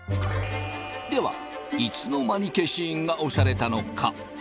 ではいつの間に消印が押されたのか？